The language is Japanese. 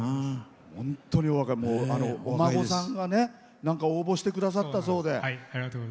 お孫さんが応募してくださったそうで。